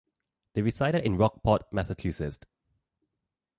They resided in Rockport, Massachusetts.